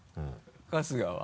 春日は？